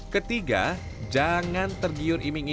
ketiga jangan tergiurkan bank polisi